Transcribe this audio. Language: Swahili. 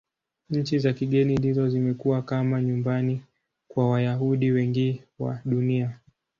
Nchi za kigeni ndizo zimekuwa kama nyumbani kwa Wayahudi wengi wa Dunia.